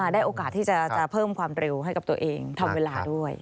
ได้โอกาสที่จะเพิ่มความเร็วให้กับตัวเองทำเวลาด้วย